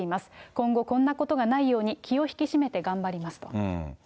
今後、こんなことがないように、気を引き締めて頑張りますと。